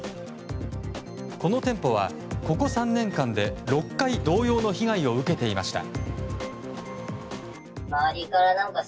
この店舗は、ここ３年間で６回同様の被害を受けていました。